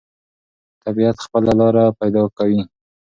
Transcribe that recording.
طبیعت خپله لاره پیدا کوي.